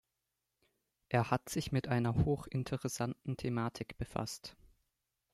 Er hat sich mit einer hoch interessanten Thematik befasst.